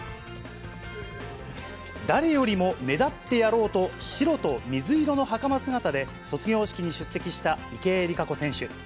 誰よりも目立ってやろうと、白と水色のはかま姿で卒業式に出席した池江璃花子選手。